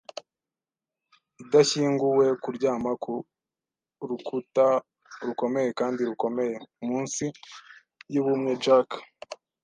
idashyinguwe, kuryama kurukuta, rukomeye kandi rukomeye, munsi yubumwe Jack.